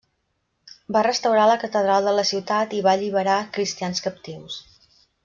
Va restaurar la catedral de la ciutat i va alliberar cristians captius.